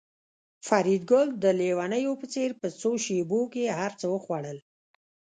فریدګل د لېونو په څېر په څو شېبو کې هرڅه وخوړل